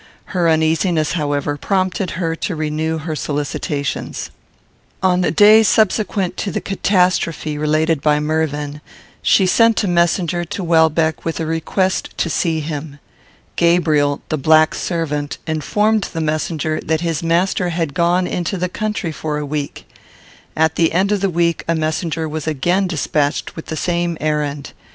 Her uneasiness, however, prompted her to renew her solicitations. On the day subsequent to the catastrophe related by Mervyn, she sent a messenger to Welbeck, with a request to see him. Gabriel, the black servant, informed the messenger that his master had gone into the country for a week. At the end of the week, a messenger was again despatched with the same errand.